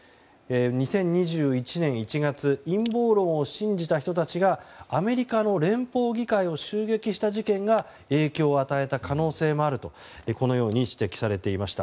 ２０２１年１月陰謀論を信じた人たちがアメリカの連邦議会を襲撃した事件が影響を与えた可能性もあるとこのように指摘されていました。